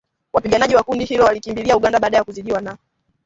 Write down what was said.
Wapiganaji wa kundi hilo walikimbilia Uganda baada ya kuzidiwa na